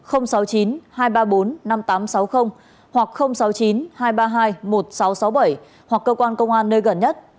hoặc sáu mươi chín hai trăm ba mươi hai một nghìn sáu trăm sáu mươi bảy hoặc cơ quan công an nơi gần nhất